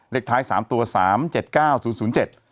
เลขท้ายสามตัวสามเจ็ดเก้าศูนย์ศูนย์เจ็ด